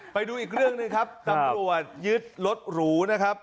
ไปดูอีกเรื่องหนึ่งครับตำรวจยึดรถหรูนะครับ